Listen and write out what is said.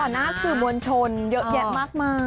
หน้าสื่อมวลชนเยอะแยะมากมาย